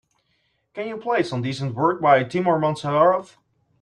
Can you play some decent work by Timour Moutsouraev?